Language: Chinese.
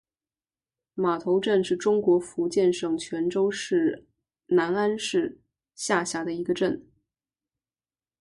码头镇是中国福建省泉州市南安市下辖的一个镇。